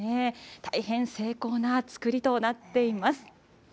大変精巧な作りとなっています。